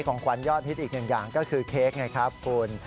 ของขวัญยอดฮิตอีกหนึ่งอย่างก็คือเค้กไงครับคุณ